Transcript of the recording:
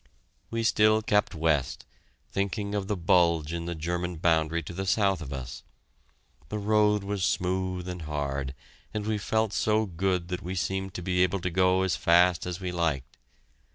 We still kept west, thinking of the bulge in the German boundary to the south of us. The road was smooth and hard, and we felt so good that we seemed to be able to go as fast as we liked.